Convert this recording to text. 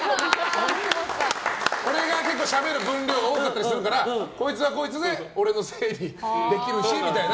俺がしゃべる分量多かったりするからこいつはこいつで俺のせいにできるし、みたいな。